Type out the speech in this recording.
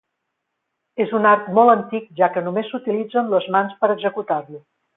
És un art molt antic, ja que només s'utilitzen les mans per executar-lo.